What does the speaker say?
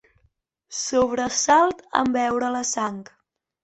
Sobresalt en veure la sang.